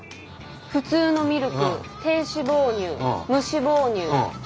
普通のミルク低脂肪乳無脂肪乳ソイです。